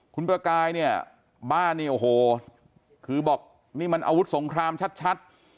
คุณประกายเนี่ยบ้านเนี่ยโอ้โหคือบอกนี่มันอาวุธสงครามชัด